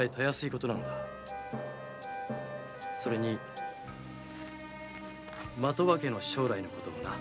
それに的場家の将来の事もな。